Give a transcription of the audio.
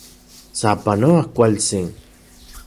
¡Sapanoa kualtsin!